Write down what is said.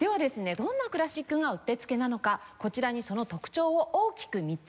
どんなクラシックがうってつけなのかこちらにその特徴を大きく３つにまとめました。